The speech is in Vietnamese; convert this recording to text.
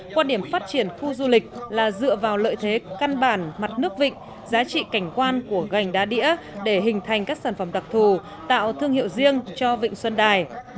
quan điểm phát triển khu du lịch là dựa vào lợi thế căn bản mặt nước vịnh giá trị cảnh quan của gành đá đĩa để hình thành các sản phẩm đặc thù tạo thương hiệu riêng cho vịnh xuân đài